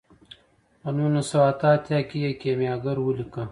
په نولس سوه اته اتیا کې یې کیمیاګر ولیکه.